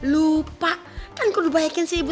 lupa kan kudu baikin si ibu